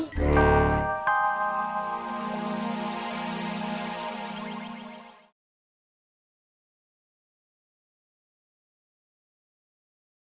bang muhyiddin tau